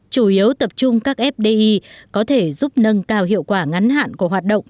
chủ yếu tập trung các fdi có thể giúp nâng cao hiệu quả ngắn hạn của hoạt động